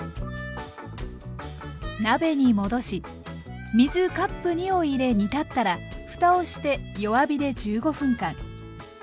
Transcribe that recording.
鍋に戻し水カップ２を入れ煮立ったらふたをして弱火で１５分間。